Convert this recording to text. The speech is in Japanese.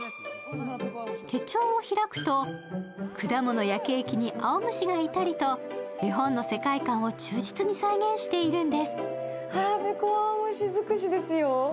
手帳を開くと、果物やケーキにあおむしがいたりと絵本の世界観を忠実に再現しているんです。